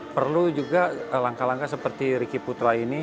perlu juga langkah langkah seperti riki putra ini